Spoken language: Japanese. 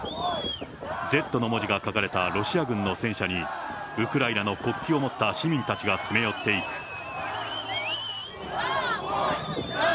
Ｚの文字が書かれたロシア軍の戦車に、ウクライナの国旗を持った市民たちが詰め寄っていく。